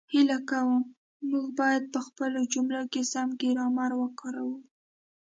هیله کووم، موږ باید په خپلو جملو کې سم ګرامر وکاروو